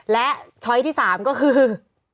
และช้อยที่๓ก็คือ